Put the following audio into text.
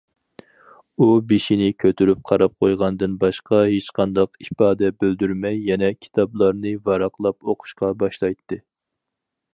ئۇ بېشىنى كۆتۈرۈپ قاراپ قويغاندىن باشقا ھېچقانداق ئىپادە بىلدۈرمەي يەنە كىتابلارنى ۋاراقلاپ ئوقۇشقا باشلايتتى.